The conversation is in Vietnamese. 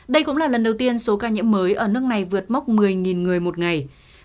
đây cũng là lần đầu tiên số ca nhiễm mới ở nước này vượt mốc một mươi người một ngày